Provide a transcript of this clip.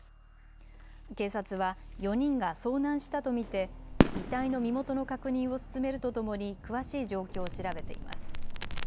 警察は４人が遭難したと見て遺体の身元の確認を進めるとともに詳しい状況を調べています。